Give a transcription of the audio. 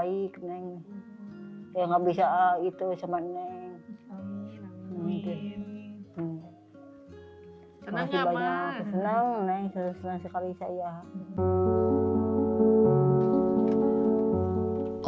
pertama kali pak